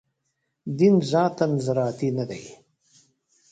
دین ذاتاً زراعتي نه دی.